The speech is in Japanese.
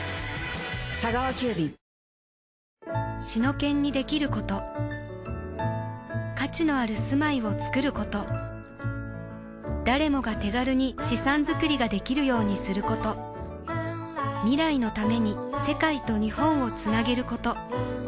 シノケンにできること価値のある住まいをつくること誰もが手軽に資産づくりができるようにすること未来のために世界と日本をつなげること